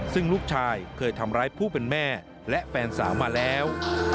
ซึ่งลูกชายเคยทำร้ายผู้เป็นแม่และแฟนสาวมาแล้ว